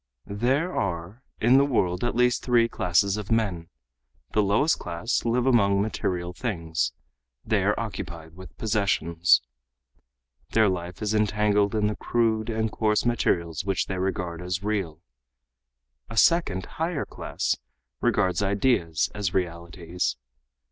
"There are in the world at least three classes of men. The lowest class live among material things, they are occupied with possessions. Their life is entangled in the crude and coarse materials which they regard as real. A second, higher class, regard ideas as realities.